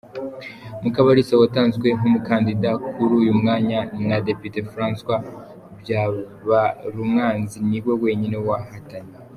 Mukabalisa watanzwe nk’umukandida kuri uyu mwanya na Depite François Byabarumwanzi niwe wenyine wahatanye.